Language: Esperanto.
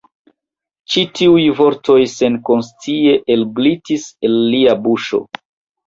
Ĉi tiuj vortoj senkonscie elglitis el lia buŝo.